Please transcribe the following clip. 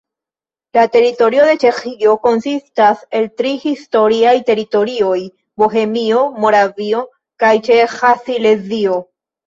La teritorio de Ĉeĥio konsistas el tri historiaj teritorioj: Bohemio, Moravio kaj Ĉeĥa Silezio.